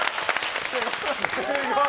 すごい。